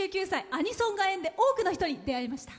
アニソンが縁で多くの人に出会えました。